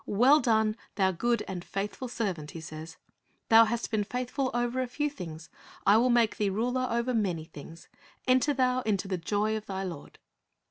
"Well done, thou good and faithful servant," He says; "thou hast been faithful over a few things, I will make thee ruler over many things; enter thou into the joy of thy Lord."